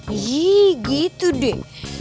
ih gitu deh